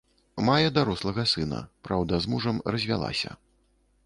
Мае дарослага сына, праўда, з мужам развялася.